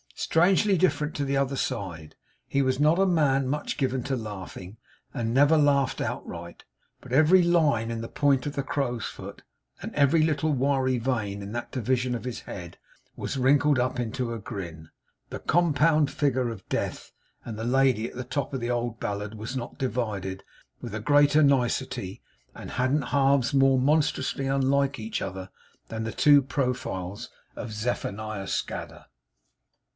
Strangely different to the other side! He was not a man much given to laughing, and never laughed outright; but every line in the print of the crow's foot, and every little wiry vein in that division of his head, was wrinkled up into a grin! The compound figure of Death and the Lady at the top of the old ballad was not divided with a greater nicety, and hadn't halves more monstrously unlike each other, than the two profiles of Zephaniah Scadder.